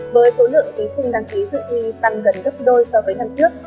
với số lượng thí sinh đăng ký dự thi tăng gần gấp đôi so với năm trước